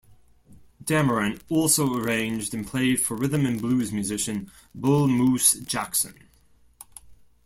Dameron also arranged and played for rhythm and blues musician Bull Moose Jackson.